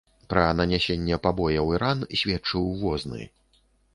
Пра нанясенне пабояў і ран сведчыў возны.